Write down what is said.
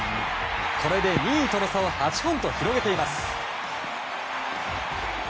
これで２位との差を８本と広げています。